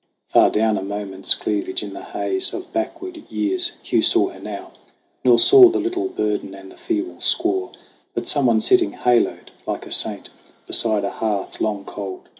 Far down a moment's cleavage in the haze Of backward years Hugh saw her now nor saw The little burden and the feeble squaw, But someone sitting haloed like a saint Beside a hearth long cold.